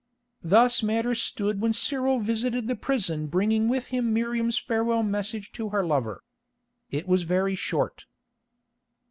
Thus matters stood when Cyril visited the prison bringing with him Miriam's farewell message to her lover. It was very short.